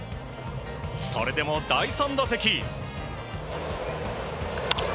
それでも第３打席。